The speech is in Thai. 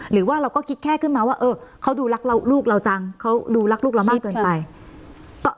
หรือว่าเราก็คิดแค่ขึ้นมาว่าเออเขาดูรักลูกเราจังเขาดูรักลูกเรามากเกินไป